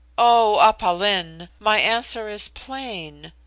"Oh, Aph Lin! My answer is plain.